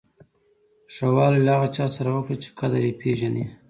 ښه والی له هغه چا سره وکړه چې قدر یې پیژني.